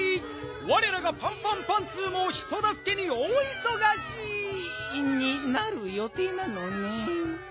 われらがパンパンパンツーも人だすけに大いそがしになるよていなのねん。